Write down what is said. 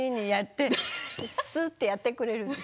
すっとやってくれるんです。